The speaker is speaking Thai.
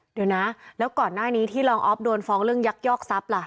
เดี๋ยวนะแล้วก่อนหน้านี้ที่รองออฟโดนฟ้องเรื่องยักยอกทรัพย์ล่ะ